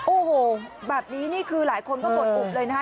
โอ้โหแบบนี้นี่คือหลายคนก็กดอุบเลยนะคะ